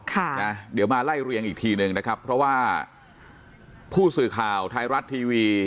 ค่ะนะเดี๋ยวมาไล่เรียงอีกทีหนึ่งนะครับเพราะว่าผู้สื่อข่าวไทยรัฐทีวี